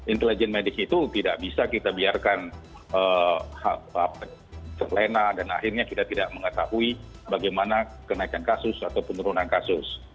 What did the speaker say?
intelijen medis itu tidak bisa kita biarkan terlena dan akhirnya kita tidak mengetahui bagaimana kenaikan kasus atau penurunan kasus